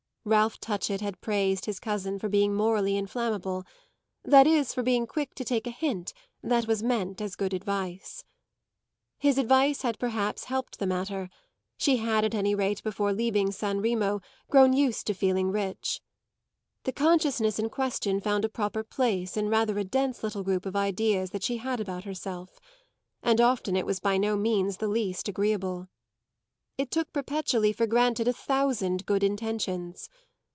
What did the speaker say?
Ralph Touchett had praised his cousin for being morally inflammable, that is for being quick to take a hint that was meant as good advice. His advice had perhaps helped the matter; she had at any rate before leaving San Remo grown used to feeling rich. The consciousness in question found a proper place in rather a dense little group of ideas that she had about herself, and often it was by no means the least agreeable. It took perpetually for granted a thousand good intentions.